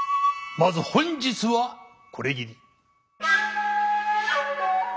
まず本日はこれぎり。